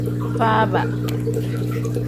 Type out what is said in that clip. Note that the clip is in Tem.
Faaba.